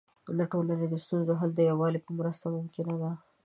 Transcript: د ټولنې د ستونزو حل د یووالي په مرسته ممکن دی.